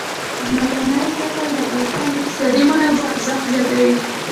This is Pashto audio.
ځمکنی شکل د افغانستان د اقتصادي منابعو ارزښت زیاتوي.